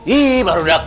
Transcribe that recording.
ih baru dapet